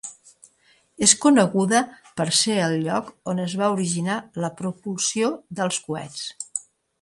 És coneguda per ser el lloc on es va originar la propulsió dels coets.